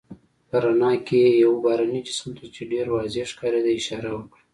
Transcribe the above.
په رڼا کې یې یو بهرني جسم ته، چې ډېر واضح ښکارېده اشاره وکړه.